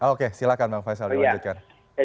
oke silahkan bang faisal dilanjutkan